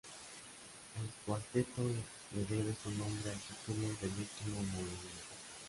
El cuarteto le debe su nombre al título del último movimiento.